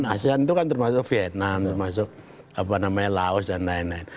asean itu kan termasuk vietnam termasuk laos dan lain lain